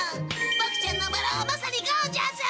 ボクちゃんのバラはまさにゴージャス！